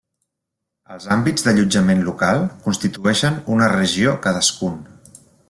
Els àmbits d'allotjament local constitueixen una regió cadascun.